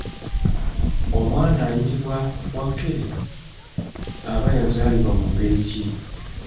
Omwana ayitibwa “Wakkere” aba yazaalibwa mu ngeri ki?